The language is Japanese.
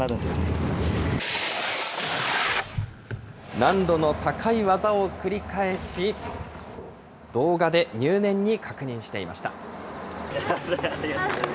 難度の高い技を繰り返し、動画で入念に確認していました。